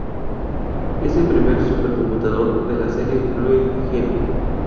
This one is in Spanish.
Es el primer super computador de la serie Blue Gene.